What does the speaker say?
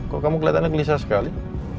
kok kamu kelihatannya gelisah sekali